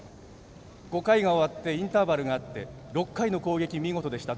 ５回が終わってインターバルがあって６回の攻撃、見事でした。